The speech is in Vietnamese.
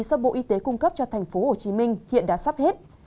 do bộ y tế cung cấp cho tp hcm hiện đã sắp hết